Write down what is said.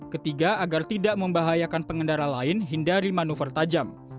ketiga agar tidak membahayakan pengendara lain hindari manuver tajam